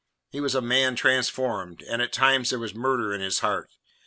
He was a man transformed, and at times there was murder in his heart.